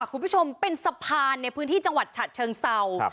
คุณผู้ชมเป็นสะพานในพื้นที่จังหวัดฉะเชิงเศร้า